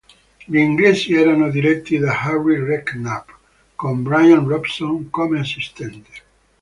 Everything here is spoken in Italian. Gli inglesi erano diretti da Harry Redknapp, con Bryan Robson come assistente.